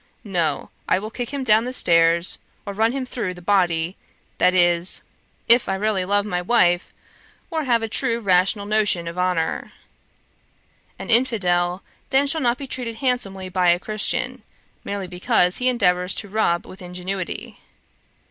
No, I will kick him down stairs, or run him through the body; that is, if I really love my wife, or have a true rational notion of honour. An infidel then shall not be treated handsomely by a Christian, merely because he endeavours to rob with ingenuity.